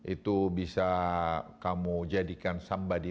itu bisa kamu jadikan sambadi